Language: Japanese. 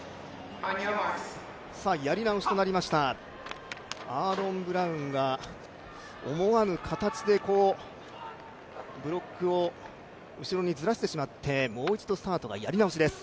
やり直しとなりましたが、アーロン・ブラウンが思わぬ形でブロックを後ろにずらしてしまって、もう一度スタートがやり直しです。